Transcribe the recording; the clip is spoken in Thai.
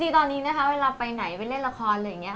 ตอนนี้นะคะเวลาไปไหนไปเล่นละครอะไรอย่างนี้ค่ะ